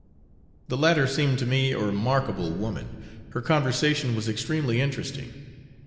The latter seemed to me a remarkable woman; her conversation was extremely interesting.